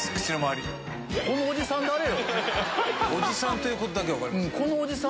おじさんっていうことだけ分かります。